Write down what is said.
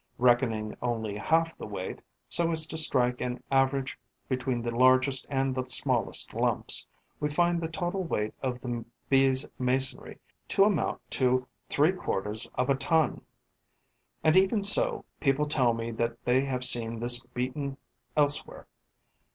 Reckoning only half the weight, so as to strike an average between the largest and the smallest lumps, we find the total weight of the Bee's masonry to amount to three quarters of a ton. And, even so, people tell me that they have seen this beaten elsewhere.